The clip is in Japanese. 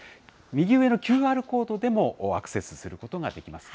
右上のＱＲコードでもアクセスすることができます。